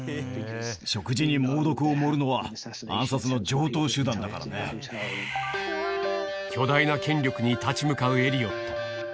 食事に猛毒を盛るのは、巨大な権力に立ち向かうエリオット。